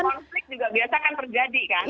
dan konflik juga biasa kan terjadi kan